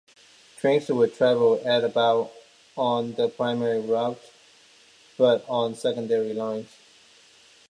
Trains would travel at about on the primary routes, but on secondary lines.